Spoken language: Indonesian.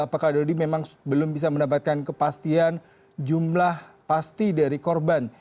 apakah dodi memang belum bisa mendapatkan kepastian jumlah pasti dari korban